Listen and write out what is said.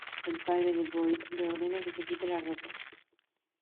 El padre de Boyd le ordena que se quite la ropa.